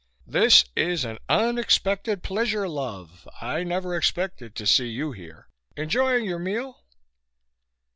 "This is an unexpected pleasure, love! I never expected to see you here. Enjoying your meal?"